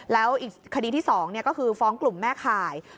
แล้วอีกคดีที่๒ก็คือฟ้องกลุ่มแม่ข่าย